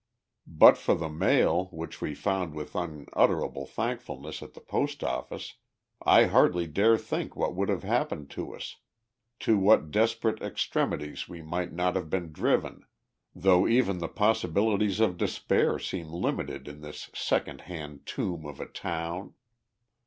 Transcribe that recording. But for the mail, which we found with unutterable thankfulness at the post office, I hardly dare think what would have happened to us, to what desperate extremities we might not have been driven, though even the possibilities of despair seem limited in this second hand tomb of a town...."